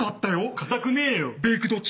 固くねえよ。